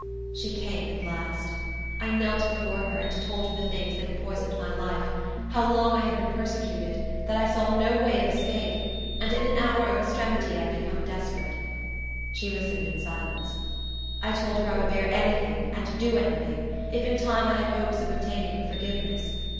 She came at last. I knelt before her, and told her the things that had poisoned my life; how long I had been persecuted; that I saw no way of escape; and in an hour of extremity I had become desperate. She listened in silence. I told her I would bear any thing and do any thing, if in time I had hopes of obtaining her forgiveness.